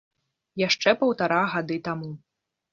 Яшчэ паўтара гады таму.